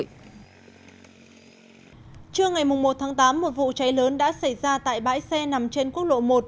trưa ngày một tháng tám một vụ cháy lớn đã xảy ra tại bãi xe nằm trên quốc lộ một